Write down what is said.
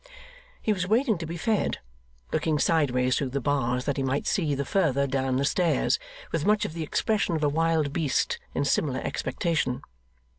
He was waiting to be fed, looking sideways through the bars that he might see the further down the stairs, with much of the expression of a wild beast in similar expectation.